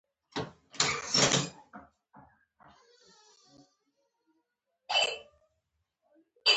زده کوونکي د ټابلیټ او لپټاپ له لارې درسونه تعقیبوي.